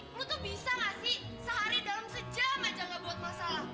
lu tuh bisa gak sih sehari dalam sejam aja gak buat masalah